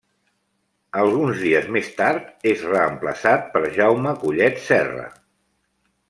Alguns dies més tard, és reemplaçat per Jaume Collet-Serra.